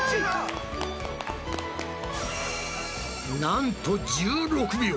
なんと１６秒！